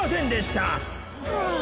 はあ。